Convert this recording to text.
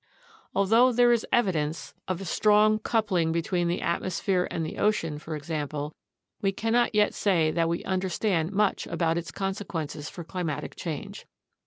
Although there is evidence of a 4 UNDERSTANDING CLIMATIC CHANGE strong coupling between the atmosphere and the ocean, for example, we cannot yet say that we understand much about its consequences for climatic change.